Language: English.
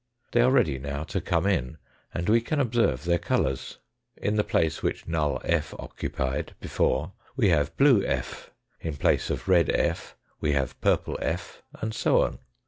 They are ready now to come in, and we can observe their colours. In the place which null f. occupied before we have blue f., in place of red f. we have purple f., and so on.